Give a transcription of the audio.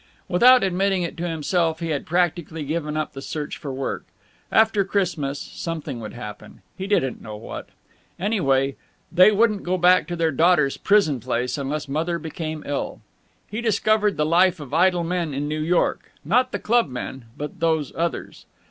Without admitting it to himself, he had practically given up the search for work. After Christmas something would happen, he didn't know what. Anyway, they wouldn't go back to their daughter's prison place unless Mother became ill. He discovered the life of idle men in New York not the clubmen, but those others.